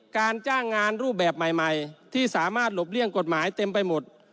การจ้างงานรูปแบบใหม่ที่สามารถหลบเลี่ยงกฎหมายเต็มไปหมด